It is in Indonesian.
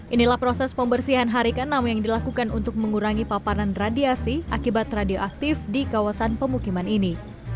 inilah proses pembersihan hari ke enam yang dilakukan untuk mengurangi paparan radiasi akibat radioaktif di kawasan pemukiman ini